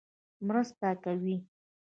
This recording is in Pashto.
مرسته کوي.